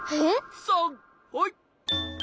さんはい！